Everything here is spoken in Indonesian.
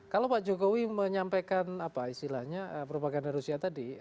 kalau pak jokowi menyampaikan apa istilahnya propaganda rusia tadi